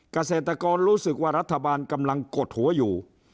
เกษตรกรรู้สึกว่ารัฐบาลกำลังกดหัวอยู่